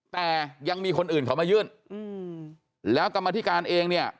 แต่ยังมีคนอื่นเขามายื่นอืมแล้วกรรมธิการเองเนี่ย